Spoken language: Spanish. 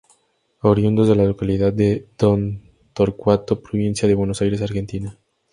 Oriundos de la localidad de Don Torcuato, provincia de Buenos Aires, Argentina.